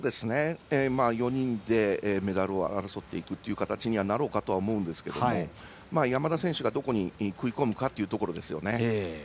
４人でメダルを争っていく形になろうかと思うんですが山田選手がどこに食い込むかというところですね。